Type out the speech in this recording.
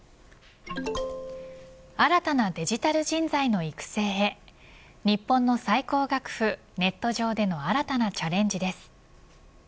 新たなデジタル人材の育成へ日本の最高学府ネット上での新たなチャレンジです。